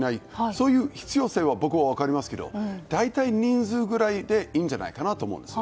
そういう必要性は僕は分かりますけど大体の人数ぐらいでいいんじゃないかと思います。